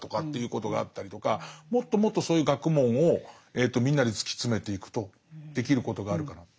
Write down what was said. もっともっとそういう学問をみんなで突き詰めていくとできることがあるかなって。